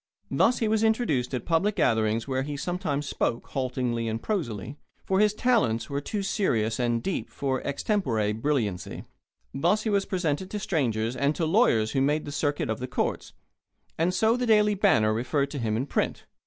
Thus was he introduced at public gatherings where he sometimes spoke, haltingly and prosily, for his talents were too serious and deep for extempore brilliancy; thus was he presented to strangers and to the lawyers who made the circuit of the courts; and so the Daily Banner referred to him in print.